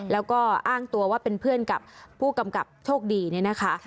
แล้วก็อ้างตัวว่าเป็นเพื่อนกับผู้กำกับโชคดีเนี่ยนะคะ